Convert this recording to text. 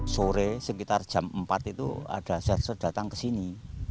sore sekitar jam empat itu ada sersor datang ke sini